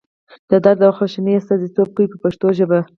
د درد او خواشینۍ استازیتوب کوي په پښتو ژبه.